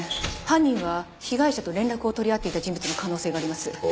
犯人は被害者と連絡を取り合っていた人物の可能性があります。